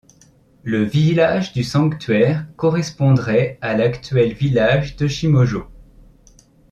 Le village du sanctuaire correspondrait à l'actuel village de Shimojō.